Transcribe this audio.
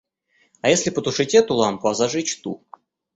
А если потушить эту лампу, а зажечь ту?